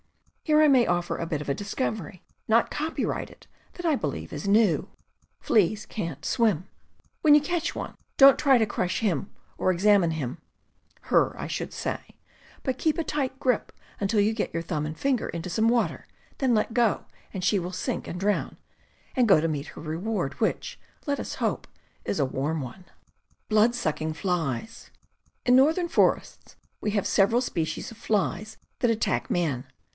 Here I may offer a bit of a discovery, not copyrighted, that I believe is new: 170 CAMPING AND WOODCRAFT fleas can't swim. When you catch one, don't try to crush him or examine him {lier, I should say) , but keep a tight grip until you get your thumb and finger into some water; then let go, and she will sink, and drown, and go to meet her reward, which, let us hope, is a warm one. In northern forests we have several species of flies that attack man.